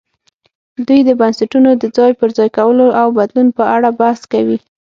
دوی د بنسټونو د ځای پر ځای کولو او بدلون په اړه بحث کوي.